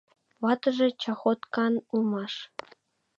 Ватыже чахоткан улмаш.